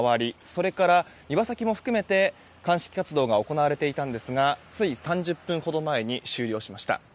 それから庭先も含めて鑑識活動が行われていたんですがつい３０分ほど前に終了しました。